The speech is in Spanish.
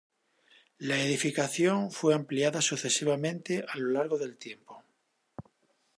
La edificación fue ampliada sucesivamente a lo largo del tiempo.